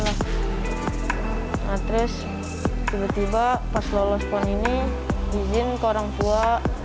nah terus tiba tiba pas lolos pon ini izin ke orang tua